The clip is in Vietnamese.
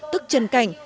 tức trần cảnh